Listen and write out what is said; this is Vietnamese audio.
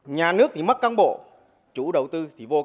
nhà nước thì mất căn bộ chủ đầu tư